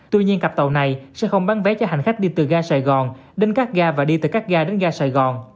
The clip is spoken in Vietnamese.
tuy nhiên cặp tàu này sẽ không bán vé cho hành khách đi từ ga sài gòn đến các ga và đi từ các ga đến ga sài gòn